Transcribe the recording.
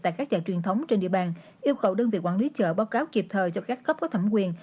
tại các chợ truyền thống trên địa bàn yêu cầu đơn vị quản lý chợ báo cáo kịp thời cho các cấp có thẩm quyền